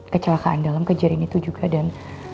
kecelakaan dalam kejadian itu juga dan